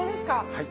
はい。